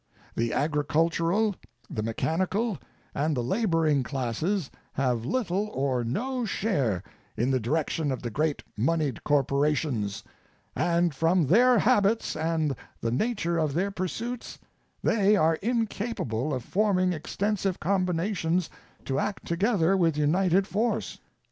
The agricultural, the mechanical, and the laboring classes have little or no share in the direction of the great moneyed corporations, and from their habits and the nature of their pursuits they are incapable of forming extensive combinations to act together with united force.